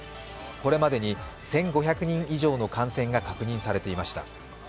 これまでに１５００人以上の感染が確認されていました。